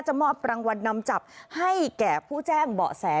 มอบรางวัลนำจับให้แก่ผู้แจ้งเบาะแส